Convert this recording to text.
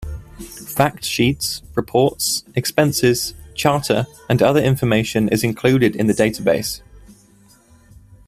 Facts sheets, reports, expenses, charter, and other information is included in the database.